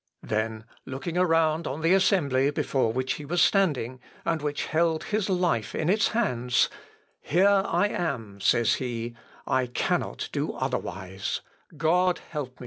Then, looking around on the assembly before which he was standing, and which held his life in its hands, "HERE I AM," says he, "I CANNOT DO OTHERWISE: GOD HELP ME.